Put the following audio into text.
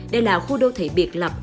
đây là khu đô thị biệt lập